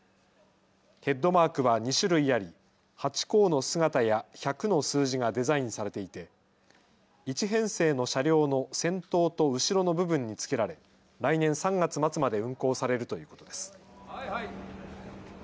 ヘッドマークは２種類ありハチ公の姿や１００の数字がデザインされていて１編成の車両の先頭と後ろの部分に付けられ、来年３月末まで運行されるということです。